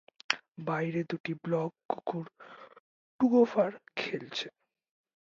বাইরে দুটি ব্লগ কুকুর টুগোফার খেলছে।